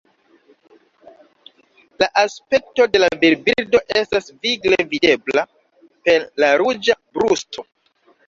La aspekto de la virbirdo estas vigle videbla, per la ruĝa brusto.